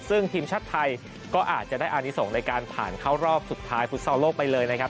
ซึ่งทีมชาติไทยก็อาจจะได้อานิสงฆ์ในการผ่านเข้ารอบสุดท้ายฟุตซอลโลกไปเลยนะครับ